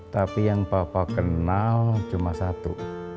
tapi yang bapak kenal cuma satu